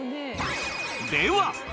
［では］